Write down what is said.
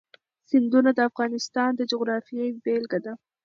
سیندونه د افغانستان د جغرافیې بېلګه ده.